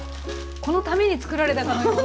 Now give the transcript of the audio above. このためにつくられたかのような。